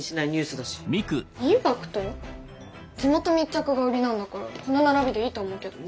地元密着が売りなんだからこの並びでいいと思うけど。